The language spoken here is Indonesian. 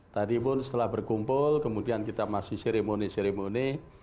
tadi pun setelah berkumpul kemudian kita masih seremoni seremoni